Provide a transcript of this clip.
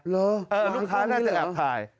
ลูกค้าน่าจะแอบถ่าย